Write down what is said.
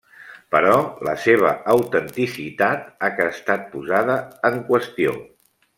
Però la seva autenticitat ha estat posada en qüestió.